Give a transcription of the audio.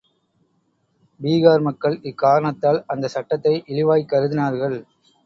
பீகார் மக்கள் இக்காரணத்தால் அந்தச் சட்டத்தை இழிவாய்க் கருதினார்கள்.